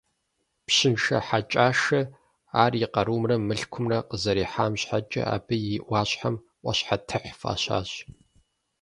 Пщыншэ Хьэкӏашэ ар и къарумрэ мылъкумрэ къызэрихьам щхьэкӏэ абы и ӏуащхьэм «ӏуащхьэтыхь» фӏащащ.